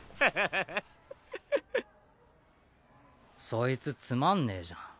そいつつまんねぇじゃん。